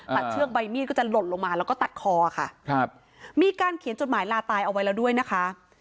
เชือกใบมีดก็จะหล่นลงมาแล้วก็ตัดคอค่ะครับมีการเขียนจดหมายลาตายเอาไว้แล้วด้วยนะคะ